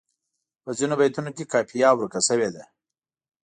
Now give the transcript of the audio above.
په ځینو بیتونو کې قافیه ورکه شوې ده.